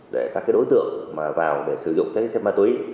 để các đối tượng vào để sử dụng trái phép ma túy